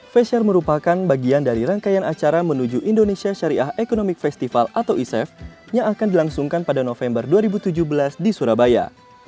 fashion merupakan bagian dari rangkaian acara menuju indonesia syariah economic festival atau i saf yang akan dilangsungkan pada november dua ribu tujuh belas di surabaya